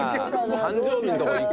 誕生日のところいく？